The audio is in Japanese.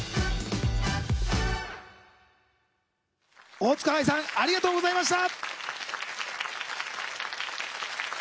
大塚愛さんありがとうございました。